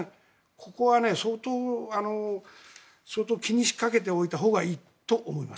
ここは相当気にかけておいたほうがいいと思います。